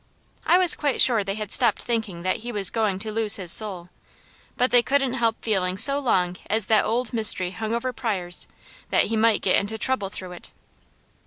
I was quite sure they had stopped thinking that he was going to lose his soul, but they couldn't help feeling so long as that old mystery hung over Pryors that he might get into trouble through it.